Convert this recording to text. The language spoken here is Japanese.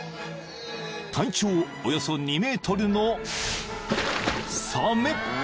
［体長およそ２ｍの］